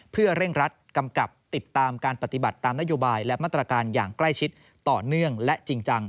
เพื่อเร่งรัดกำกับติดตามการปฏิบัติตามนโยบายและมาตรการอย่างใกล้ชิดต่อเนื่องและจริงจัง